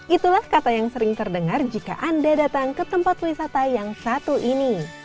itulah kata yang sering terdengar jika anda datang ke tempat wisata yang satu ini